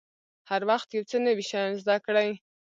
هر وخت یو څه نوي شیان زده کړئ.